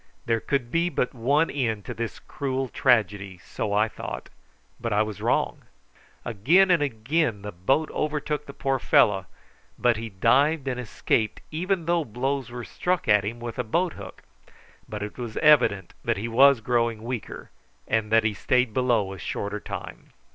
There could be but one end to this cruel tragedy, so I thought; but I was wrong. Again and again the boat overtook the poor fellow, but he dived and escaped even though blows were struck at him with a boat hook; but it was evident that he was growing weaker, and that he stayed below a shorter time.